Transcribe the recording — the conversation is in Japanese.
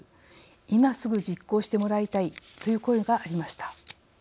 今すぐ、実行してもらいたい」という声がありました。